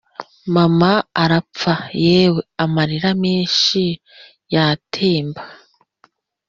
mama arapfa, yewe amarira menshi yatemba